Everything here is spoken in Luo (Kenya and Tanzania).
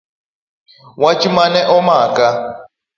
Wach mane omaka.